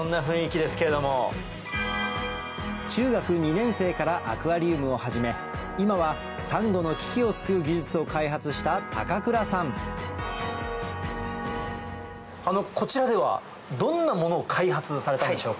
中学２年生からアクアリウムを始め今はサンゴの危機を救う技術を開発したこちらではどんなものを開発されたのでしょうか？